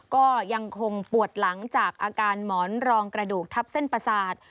ก็ยังคงปวดหลังจากอาการหมอนรองกระดูกทับเส้นประสาท